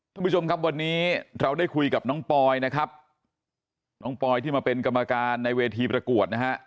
ท่านผู้ชมครับวันนี้เราได้คุยกับน้องปอยนะครับน้องปอยที่มาเป็นกรรมการในเวทีประกวดนะฮะ